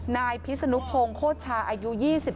นายพีชสนุกพงศ์โฆชาอายุ๒๓